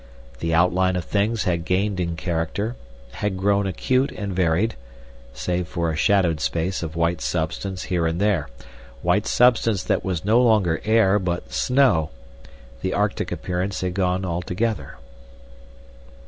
The outline of things had gained in character, had grown acute and varied; save for a shadowed space of white substance here and there, white substance that was no longer air but snow, the arctic appearance had gone altogether.